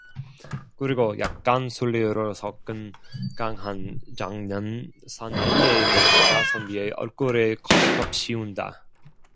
그리고 약간 술내를 섞은 강한 장년 사나이의 냄새가 선비의 얼굴에 컥 덮씌운다.